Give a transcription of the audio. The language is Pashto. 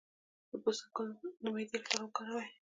د پسته ګل د معدې لپاره وکاروئ